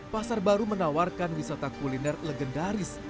pasar baru menawarkan wisata kuliner legendaris